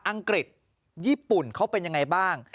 อังกฤษญี่ปุ่นเขาเป็นยังไงบ้าง